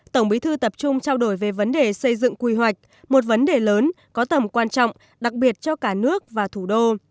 tổng bí thư tập trung trao đổi về vấn đề xây dựng quy hoạch một vấn đề lớn có tầm quan trọng đặc biệt cho cả nước và thủ đô